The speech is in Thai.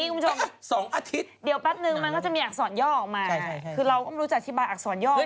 โอ้โหสองอาทิตย์เดี๋ยวแป๊บนึงมันก็จะมีอักษรย่อออกมาคือเรามันมีอักษรย่อแล้ว